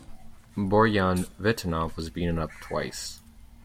Borjan Vitanov, was beaten up twice.